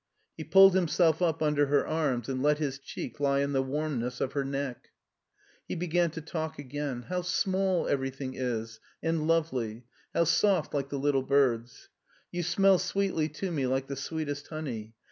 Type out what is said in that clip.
He pulled himself up under her arms, and let his cheek lie in the warmness of her neck. He began to talk again. "How small everything is, and lovely; how soft like the little birds. You smell sweetly to me like the sweetest honey.